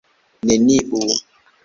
Neniu.